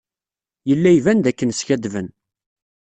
Yella iban dakken skaddben.